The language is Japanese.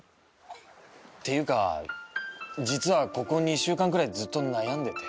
っていうか実はここ２週間ぐらいずっと悩んでて。